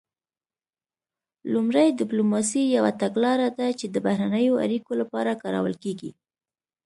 لومړی ډیپلوماسي یوه تګلاره ده چې د بهرنیو اړیکو لپاره کارول کیږي